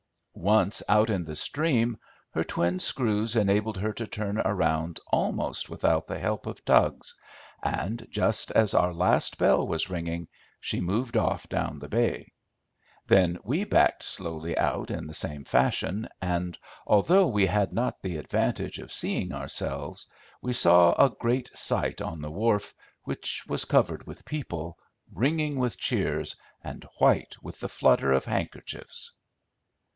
Once out in the stream her twin screws enabled her to turn around almost without the help of tugs, and just as our last bell was ringing she moved off down the bay. Then we backed slowly out in the same fashion, and, although we had not the advantage of seeing ourselves, we saw a great sight on the wharf, which was covered with people, ringing with cheers, and white with the flutter of handkerchiefs.